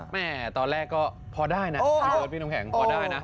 แม่ตอนแรกก็พอได้นะพี่เบิร์ดพี่น้ำแข็งพอได้นะ